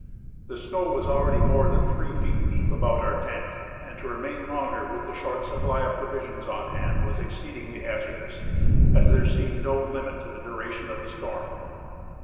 The snow was already more than three feet deep al^out our tent, and to remain longer with the short supply of provis ions on hand was exceedingly hazardous, as there seemed no limit to the duration of the storm.